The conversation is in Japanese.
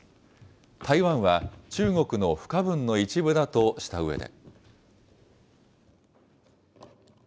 台湾は中国の不可分の一部だとしたうえで。